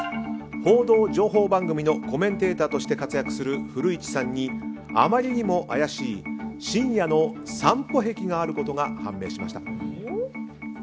報道情報番組のコメンテーターとして活躍する古市さんにあまりにも怪しい深夜の散歩癖があることが判明しました。